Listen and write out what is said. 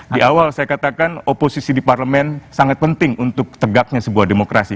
di awal saya katakan oposisi di parlemen sangat penting untuk tegaknya sebuah demokrasi